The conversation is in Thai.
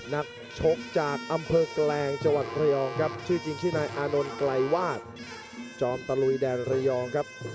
นักชกจากอำเภอแกลงจังหวัดระยองครับชื่อจริงชื่อนายอานนท์ไกลวาดจอมตะลุยแดนระยองครับ